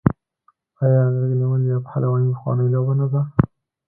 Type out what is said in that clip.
آیا غیږ نیول یا پهلواني پخوانۍ لوبه نه ده؟